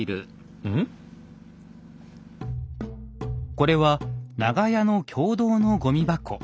これは長屋の共同のごみ箱。